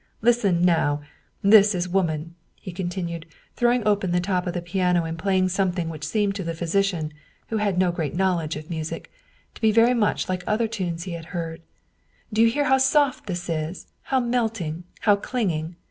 Listen now, this is Woman," he continued, throwing open the top of the piano and playing something which seemed to the physician, who had no great knowledge of music, to be very much like other tunes he had heard. " Do you hear how soft this is, how melting, how clinging?